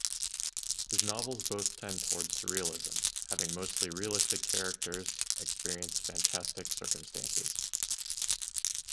His novels both tend toward surrealism, having mostly realistic characters experience fantastic circumstances.